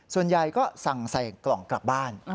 ส่วนใหญ่ก็สั่งใส่กล่องกลับบ้าน